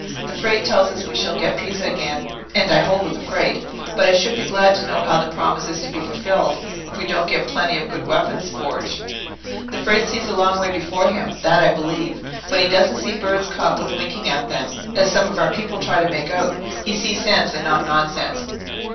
The Frate tells us we shall get Pisa again, and I hold with the Frate; but I should be glad to know how the promise is to be fulfilled, if we don't get plenty of good weapons forged? The Frate sees a long way before him; that I believe. But he doesn't see birds caught with winking at them, as some of our people try to make out. He sees sense, and not nonsense.